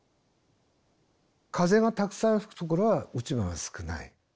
風がたくさん吹くところは落ち葉が少ない。